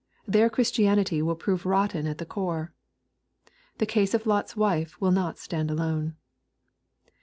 Their Christianity will prove rotten at the core. The case of Lot's wife will not stand alone.